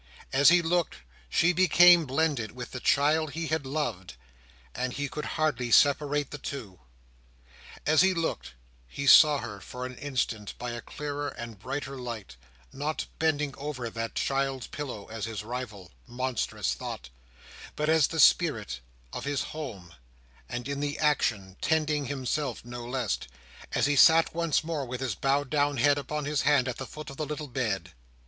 As he looked, she became blended with the child he had loved, and he could hardly separate the two. As he looked, he saw her for an instant by a clearer and a brighter light, not bending over that child's pillow as his rival—monstrous thought—but as the spirit of his home, and in the action tending himself no less, as he sat once more with his bowed down head upon his hand at the foot of the little bed.